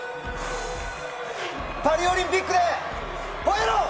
パリオリンピックへ、吼えろ！